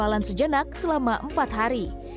berjalan sejenak selama empat hari